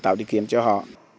và lào đi kiếm cho họ